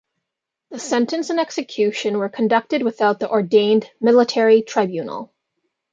The sentence and execution were conducted without the ordained military tribunal.